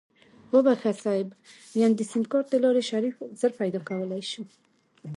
وبښه صيب ويم د سيمکارټ دلارې شريف زر پيدا کولی شو.